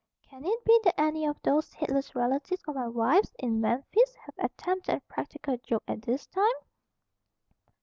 "Can it be that any of those heedless relatives of my wife's in Memphis have attempted a practical joke at this time?"